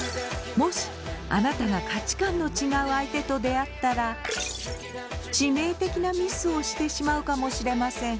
もしあなたが価値観の違う相手と出会ったら致命的なミスをしてしまうかもしれません。